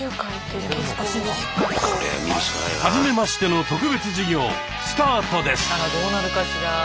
「はじめましての特別授業」スタートです！